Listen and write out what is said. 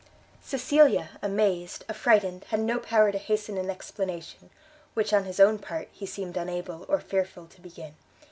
Cecilia, amazed, affrighted, had no power to hasten an explanation, which, on his own part, he seemed unable, or fearful to begin.